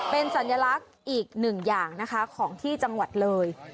เป็นสัญลักษณ์อีกหนึ่งอย่างนะคะของที่จังหวัดเลย